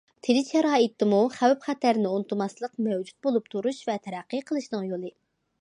تىنچ شارائىتتىمۇ خەۋپ- خەتەرنى ئۇنتۇماسلىق مەۋجۇت بولۇپ تۇرۇش ۋە تەرەققىي قىلىشنىڭ يولى.